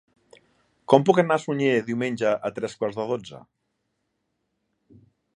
Com puc anar a Sunyer diumenge a tres quarts de dotze?